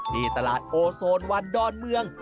ที่ตลาดโอโซนวันดอนเมือง